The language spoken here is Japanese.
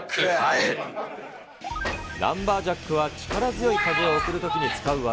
ランバージャックは力強い風を送るときに使う技。